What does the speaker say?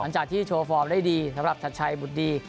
โชว์ฟอร์มได้ดีสำหรับชัดชัยบุตรดี